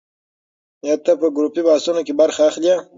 ایا ته په ګروپي بحثونو کې برخه اخلې؟